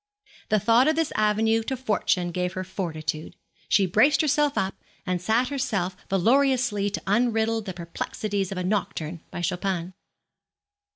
The thought of this avenue to fortune gave her fortitude. She braced herself up, and set herself valourously to unriddle the perplexities of a nocturne by Chopin.